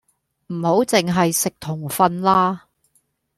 唔好剩係食同瞓啦！